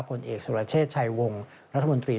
ผลเอกสุรเชษฐ์ชัยวงรัฐมนตรี